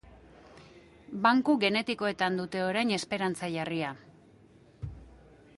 Banku genetikoetan dute orain esperantza jarria.